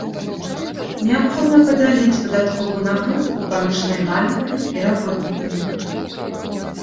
Неабходна падзяліць падатковую нагрузку паміж наймальнікамі і работнікамі.